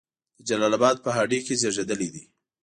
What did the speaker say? د جلال آباد په هډې کې زیږیدلی دی.